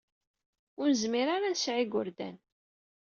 Ur nezmir ara ad nesɛu igurdan.